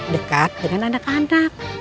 dekat dengan anak anak